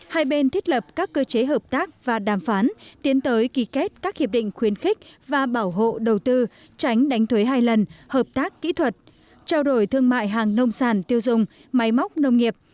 hai bên thiết lập các cơ chế hợp tác và đàm phán tiến tới ký kết các hiệp định khuyến khích và bảo hộ đầu tư tránh đánh thuế hai lần hợp tác kỹ thuật trao đổi thương mại hàng nông sản tiêu dùng máy móc nông nghiệp